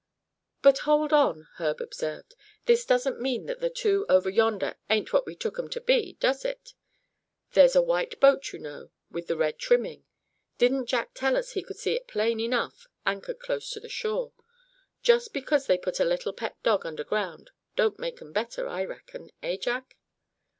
"But hold on," Herb observed, "this doesn't mean that the two over yonder ain't what we took 'em to be, does it? There's the white boat, you know, with the red trimming; didn't Jack tell us he could see it plain enough anchored close to the shore? Just because they put a little pet dog underground don't make 'em better, I reckon, eh, Jack?"